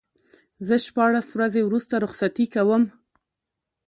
زه شپاړس ورځې وروسته رخصتي کوم.